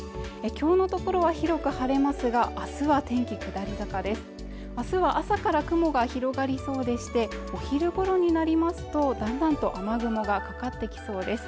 今日のところは広く晴れますがあすは天気下り坂です明日は朝から雲が広がりそうでしてお昼ごろになりますとだんだんと雨雲がかかってきそうです